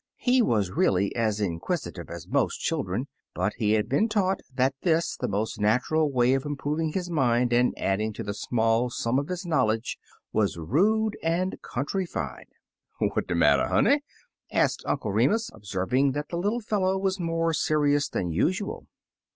He was really as inquisitive as most children, but he had been taught that this, the most natural way of improving his mind and adding to the small sum of his knowledge, was rude and countrified. "What de matter, honey?*' asked Uncle Remus, observing that the little fellow was more serious than usual.